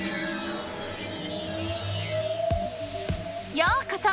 ようこそ！